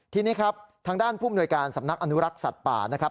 ทีนี้ครับทางด้านผู้มนวยการสำนักอนุรักษ์สัตว์ป่านะครับ